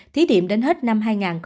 thí điểm đến hết năm hai nghìn hai mươi